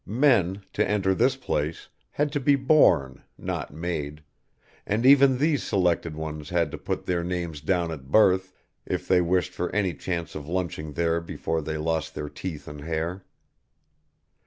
Men, to enter this place, had to be born, not made, and even these selected ones had to put their names down at birth, if they wished for any chance of lunching there before they lost their teeth and hair.